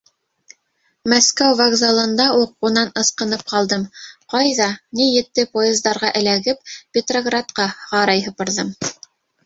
Мәскәү вокзалында уҡ унан ысҡынып ҡалдым, ҡайҙа, ни етте поездарға эләгеп, Петроградҡа ҡарай һыпырҙым.